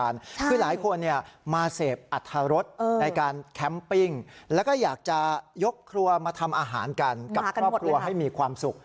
ในการแคมปิ้งแล้วก็อยากจะยกครัวมาทำอาหารกันกับครอบครัวให้มีความสุข